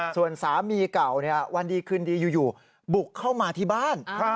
ส่วนสามีเก่าวันดีคืนดีอยู่บุกเข้ามาที่บ้าน